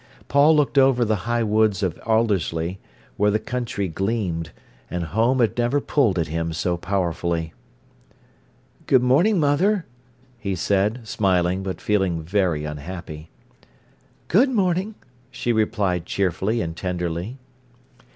Paul looked over the high woods of Aldersley, where the country gleamed, and home had never pulled at him so powerfully. "Good morning, mother," he said, smiling, but feeling very unhappy. "Good morning," she replied cheerfully and tenderly.